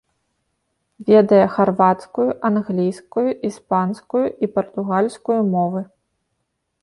Ведае харвацкую, англійскую, іспанскую і партугальскую мовы.